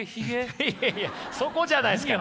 いやいやそこじゃないですから。